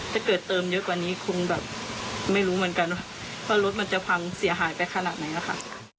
ถ้าเกิดเติมเยอะกว่านี้คงแบบไม่รู้เหมือนกันว่ารถมันจะพังเสียหายไปขนาดไหนค่ะ